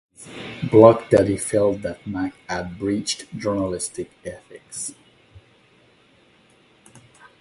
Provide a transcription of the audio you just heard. Journalist Ansel Herz blogged that he felt that Mac had breached journalistic ethics.